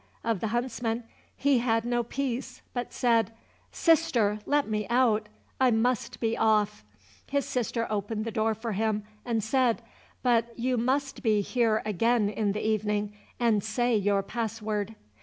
of the huntsmen, he had no peace, but said, "Sister, let me out, I must be off." His sister opened the door for him, and said, "But you must be here again in the evening and say your pass word."